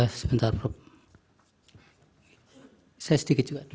baik sebentar saya sedikit juga